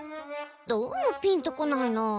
どうもピンとこないな。